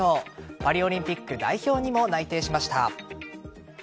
パリオリンピック代表にも内定しました。